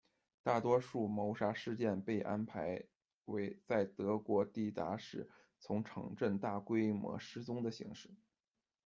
大多数谋杀事件被安排为在德国抵达时从城镇中大规模失踪的形式。